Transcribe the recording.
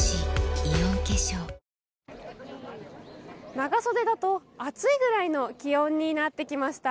長袖だと暑いくらいの気温になってきました。